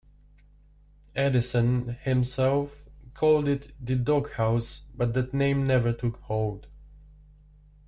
Edison himself called it "The Doghouse", but that name never took hold.